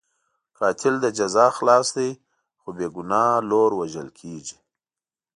قاتل له جزا خلاص دی، خو بې ګناه لور وژل کېږي.